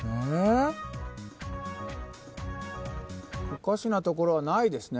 おかしなところはないですね。